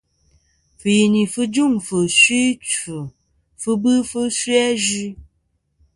Fɨ̀yìnì fɨ jûŋfɨ̀ fsɨ ɨchfɨ, fɨ bɨfɨ fsɨ azue.